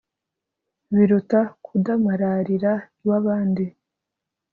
biruta kudamararira iw'abandi